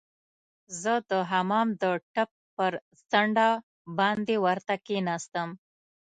زه د حمام د ټپ پر څنډه باندې ورته کښیناستم.